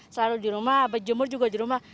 selalu di rumah berjemur juga di rumah